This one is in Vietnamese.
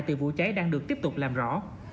từ vụ cháy đang được tiếp tục làm rõ